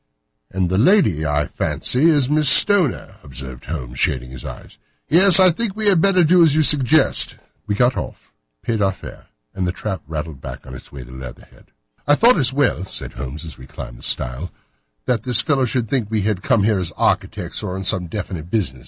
"And the lady, I fancy, is Miss Stoner," observed Holmes, shading his eyes. "Yes, I think we had better do as you suggest." We got off, paid our fare, and the trap rattled back on its way to Leatherhead. "I thought it as well," said Holmes as we climbed the stile, "that this fellow should think we had come here as architects, or on some definite business.